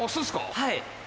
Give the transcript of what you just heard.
はい。